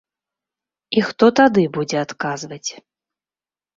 І хто тады будзе адказваць.